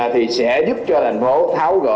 thì sẽ giúp cho thành phố